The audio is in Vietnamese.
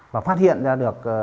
và phát hiện ra được